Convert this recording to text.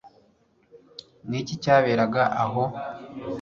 Ni iki cyaberaga aho